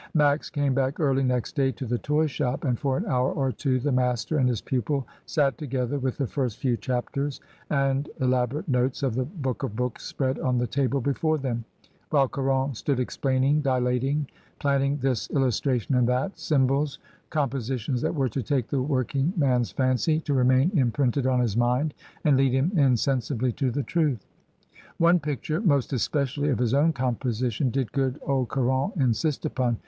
Max came back early next day to the toy shop, and for an hour or two the master and his pupil sat together with the first few chapters and elaborate notes of the book of books spread on the table be fore them, while Caron stood explaining, dilating, planning this illustration and that — symbols, com MONSIEUR CARON'S HISTORY OF SOCIALISM. 20g positions that were to take the working man's fancy, to remain imprinted on his mind, and lead him in sensibly to the truth. One picture most especially of his own composition did good old Caron insist upon.